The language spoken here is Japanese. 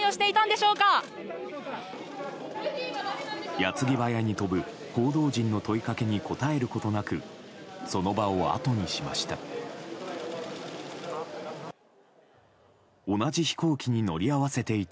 矢継ぎ早に飛ぶ報道陣の問いかけに答えることなくその場をあとにしました。